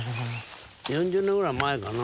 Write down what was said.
４０年ぐらい前かな。